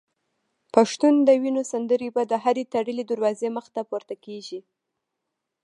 پښتون د وینو سندري به د هري تړلي دروازې مخته پورته کیږي